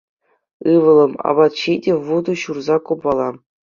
Ывӑлӑм, апат ҫи те вутӑ ҫурса купала.